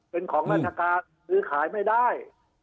เป็นของราชการซื้อขายไม่ได้